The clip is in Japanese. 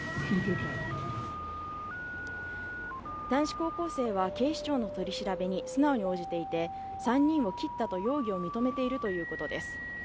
男子高校生は警視庁の取り調べに素直に応じていて３人を切ったと容疑を認めているということです